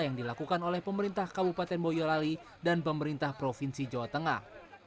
yang dilakukan oleh pemerintah kabupaten boyolali dan pemerintah provinsi jawa tengah